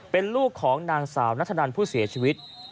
เป็นลูกของนางสาวนัทธนันผู้เสียชีวิต